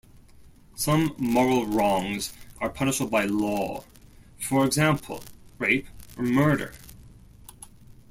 Some moral wrongs are punishable by law, for example, rape or murder.